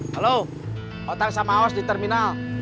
halo otak sama os di terminal